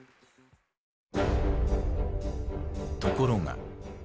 ところが。